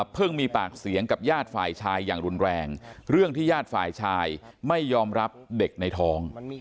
มีปากเสียงกับญาติฝ่ายชายอย่างรุนแรงเรื่องที่ญาติฝ่ายชายไม่ยอมรับเด็กในท้อง